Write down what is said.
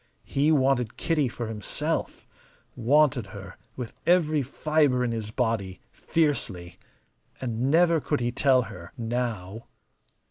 He wanted Kitty for himself, wanted her with every fibre in his body, fiercely. And never could he tell her now.